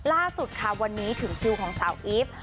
ล่าสุดค่ะวันนี้ถึงคิวของสาวอีฟ